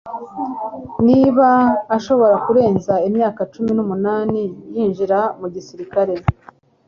Niba ashobora kurenza imyaka cumi numunani yinjira mu gisirikare